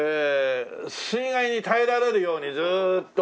水害に耐えられるようにずーっと。